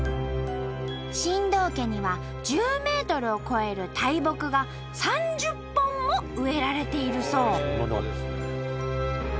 新藤家には１０メートルを超える大木が３０本も植えられているそう！